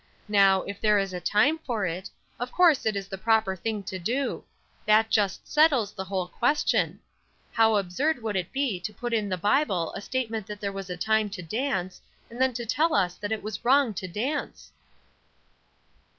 Now, if there is a time for it, of course it is the proper thing to do; that just settles the whole question. How absurd it would be to put in the Bible a statement that there was a time to dance, and then to tell us that it was wrong to dance!"